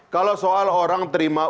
kalau soal orang terima